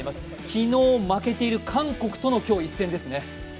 昨日負けている韓国との今日、一戦ですね。